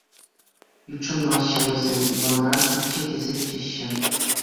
Ютшӑнмаҫҫӗ вӗсем Иванран, пичче тесе чӗҫҫӗ.